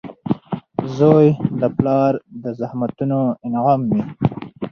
• زوی د پلار د زحمتونو انعام وي.